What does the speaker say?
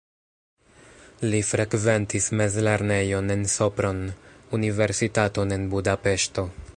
Li frekventis mezlernejon en Sopron, universitaton en Budapeŝto.